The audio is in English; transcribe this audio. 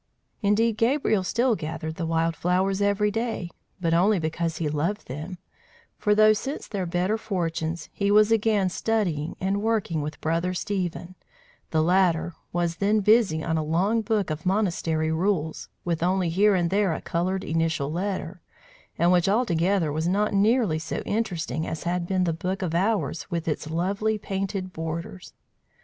Indeed, Gabriel still gathered the wild flowers every day, but only because he loved them; for though, since their better fortunes, he was again studying and working with Brother Stephen, the latter was then busy on a long book of monastery rules, with only here and there a coloured initial letter, and which altogether was not nearly so interesting as had been the book of hours with its lovely painted borders.